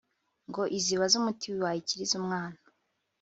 ngo izibaze umuti wayikiriza umwana